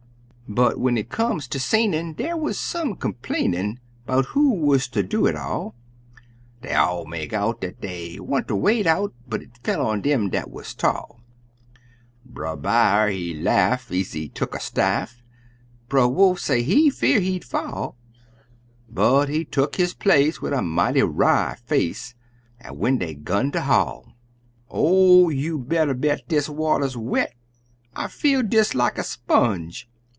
But when it come ter seinin', dar wuz some complainin 'Bout who wuz ter do it all, Dey all make out dat dey wanter wade out, But it fell on dem dat wuz tall: Brer B'ar, he laugh, ez he tuck a staff, Brer Wolf say he fear'd he'd fall, But he tuck his place wid a mighty wry face, An' when dey 'gun ter haul. "Oh, you better bet dis water's wet! I feel des like a sponge!"